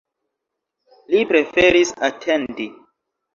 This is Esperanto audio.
Li preferis atendi.